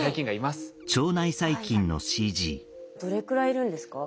どれくらいいるんですか？